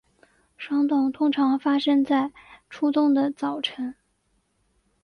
霜冻通常发生在初冬的早晨。